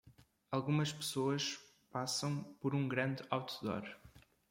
Algumas pessoas passam por um grande outdoor.